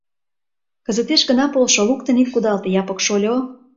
Кызытеш гына полшо, луктын ит кудалте, Япык шольо.